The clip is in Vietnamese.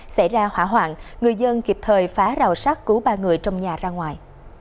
xảy ra hỏa hoạn người dân kịp thời phá rào sát cứu ba người trong nhà ra ngoài